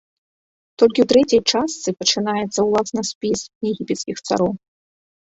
Толькі ў трэцяй частцы пачынаецца ўласна спіс егіпецкіх цароў.